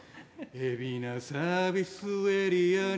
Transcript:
海老名サービスエリアに